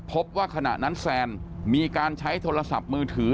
พบว่าขณะนั้นแซนมีการใช้โทรศัพท์มือถือ